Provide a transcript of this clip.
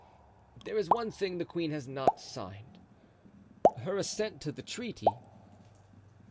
"There is one thing the queen has not signed—her assent to the treaty."